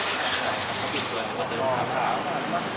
โรงพยาบาลโรงพยาบาล